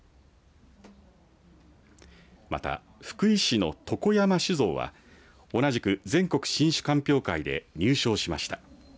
また福井市の常山酒造は同じく全国新酒鑑評会で優勝しました。